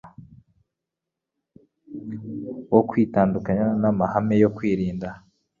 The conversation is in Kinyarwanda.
wo kwitandukanya n’amahame yo kwirinda